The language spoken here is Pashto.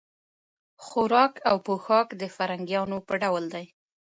خوراک او پوښاک د فرنګیانو په ډول دی.